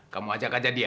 kamu ajak aja dia